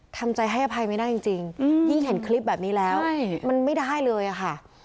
ทำใจให้อภัยไม่ได้จริงยิ่งเห็นคลิปแบบนี้แล้วมันไม่ได้เลยอะค่ะ